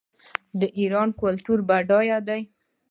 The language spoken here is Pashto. د ایران کلتور بډایه دی.